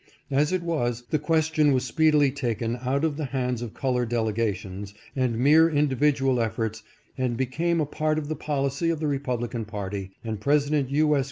As it was, the question was speed ily taken out of the hands of colored delegations and mere individual efforts and became a part of the policy of the Republican party, and President U. S.